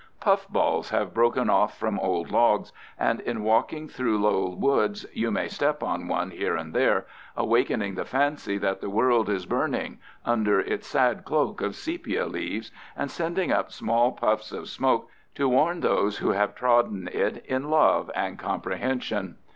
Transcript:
Puffballs have broken off from old logs, and in walking through low woods you may step on one here and there, awakening the fancy that the world is burning, under its sad cloak of sepia leaves, and sending up small puffs of smoke to warn those who have trodden it in love and comprehension.